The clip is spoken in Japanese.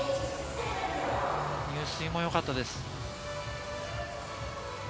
入水もよかったです。